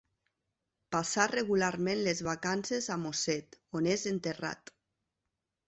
Passà regularment les vacances a Mosset, on és enterrat.